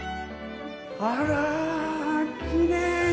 あらきれいに！